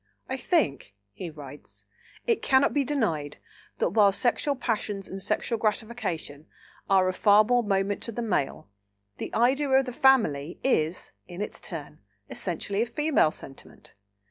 "I think," he writes, "it cannot be denied that while sexual passions and sexual gratification are of far more moment to the Male, the idea of the family is, in its turn, essentially a Female sentiment.